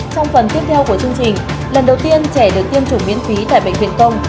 trong phần tiếp theo của chương trình lần đầu tiên trẻ được tiêm chủng miễn phí tại bệnh viện công